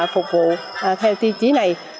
phục vụ theo tiêu chí này